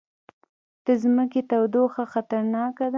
د ځمکې تودوخه خطرناکه ده